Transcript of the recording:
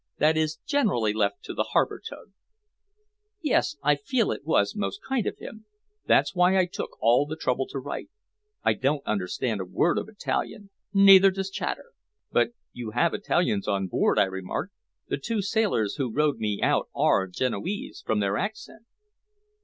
That is generally left to the harbor tug." "Yes, I feel that it was most kind of him. That's why I took all the trouble to write. I don't understand a word of Italian, neither does Chater." "But you have Italians on board?" I remarked. "The two sailors who rowed me out are Genoese, from their accent."